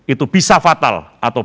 itu bisa fatal atau